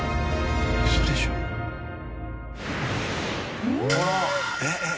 ウソでしょ？えっ？えっ？